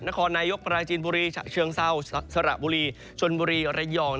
นครนายกปราจีนบุรีฉะเชิงเศร้าสระบุรีชนบุรีระยอง